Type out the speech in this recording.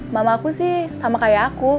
mama aku sih sama kayak aku